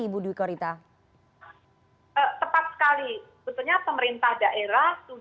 oke jadi tidak ada gunanya tepat tepat akurat tapi sirine tidak berbunyi